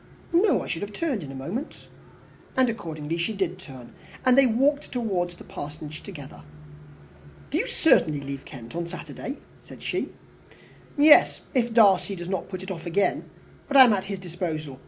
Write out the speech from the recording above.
"No, I should have turned in a moment." And accordingly she did turn, and they walked towards the Parsonage together. "Do you certainly leave Kent on Saturday?" said she. "Yes if Darcy does not put it off again. But I am at his disposal.